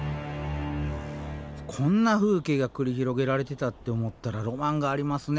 こんな風景が繰り広げられてたって思ったらロマンがありますね